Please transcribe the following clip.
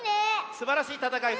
すばらしいたたかい。